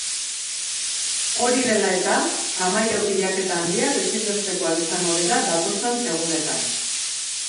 Hori dela eta, kamaio pilaketa handiak ezinbestekoak izango dira datozen egunetan.